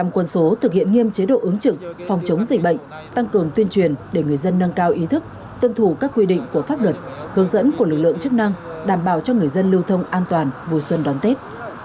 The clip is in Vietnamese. một trăm linh quân số thực hiện nghiêm chế độ ứng trực phòng chống dịch bệnh tăng cường tuyên truyền để người dân nâng cao ý thức tuân thủ các quy định của pháp luật hướng dẫn của lực lượng chức năng đảm bảo cho người dân lưu thông an toàn vui xuân đón tết